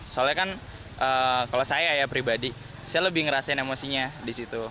soalnya kan kalau saya ya pribadi saya lebih ngerasain emosinya di situ